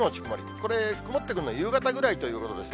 これ、曇ってくるの、夕方ぐらいということですね。